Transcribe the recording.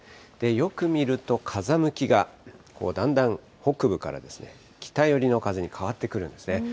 よく見ると、風向きがだんだん北部から北寄りの風に変わってくるんですね。